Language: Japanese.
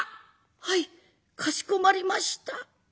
「はいかしこまりました」。